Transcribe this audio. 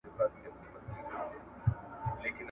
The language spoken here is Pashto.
که کیمیا وي نو مادې نه ورکیږي.